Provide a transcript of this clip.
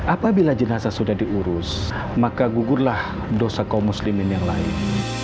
apabila jenazah sudah diurus maka gugurlah dosa kaum muslimin yang lain